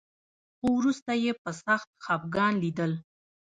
خو وروسته یې په سخت خپګان لیدل